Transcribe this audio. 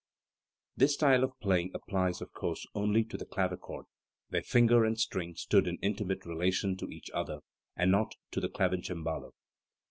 This style of playing applies, of course, only to the clavichord, where finger and string stood in intimate relation to each other, and not to the clavicembalo.